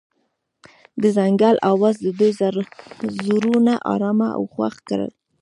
د ځنګل اواز د دوی زړونه ارامه او خوښ کړل.